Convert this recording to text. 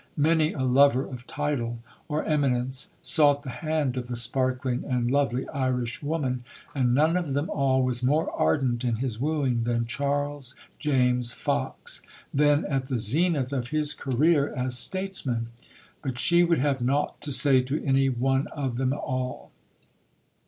Many a lover of title or eminence sought the hand of the sparkling and lovely Irishwoman, and none of them all was more ardent in his wooing than Charles James Fox, then at the zenith of his career as statesman; but she would have naught to say to any one of them all.